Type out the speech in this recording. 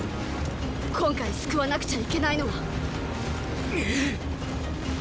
今回救わなくちゃいけないのはーー！っ！